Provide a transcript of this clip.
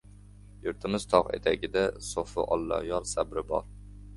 Yurtimiz tog etagida So‘fi Olloyor sabri bor.